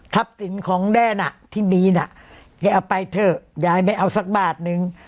สินของแดนที่มีน่ะแกเอาไปเถอะยายไม่เอาสักบาทนึง